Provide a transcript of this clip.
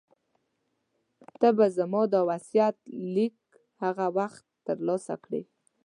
ته به زما دا وصیت لیک هغه وخت ترلاسه کړې.